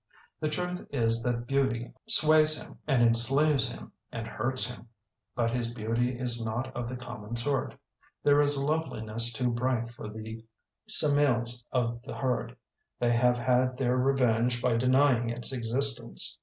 The truth is that beauty sways him and enslaves him and hurts him. But his beauty is not of the common sort. There is a loveliness too bright for the Semdes of the herd. They have had their revenge by denying its existence.